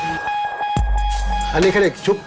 อันนี้เริ่มชุบแล้วเหรอครับเริ่มชุบแล้ว